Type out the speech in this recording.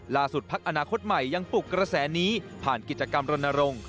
พักอนาคตใหม่ยังปลุกกระแสนี้ผ่านกิจกรรมรณรงค์